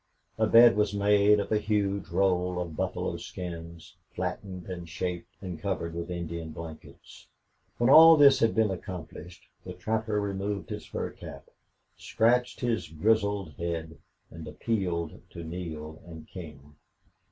A bed was made of a huge roll of buffalo skins, flattened and shaped, and covered with Indian blankets. When all this had been accomplished the trapper removed his fur cap, scratched his grizzled head, and appealed to Neale and King.